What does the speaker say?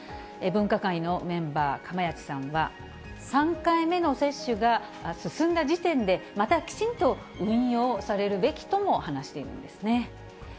分科会のメンバー、釜萢さんは、３回目の接種が進んだ時点で、またきちんと運用されるべきとも話しているんですね。